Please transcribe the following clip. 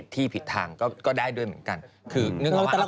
มีทางก็ได้ด้วยเหมือนกัน